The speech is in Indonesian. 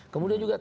kemudian juga tka